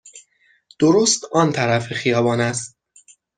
درست آن طرف خیابان است.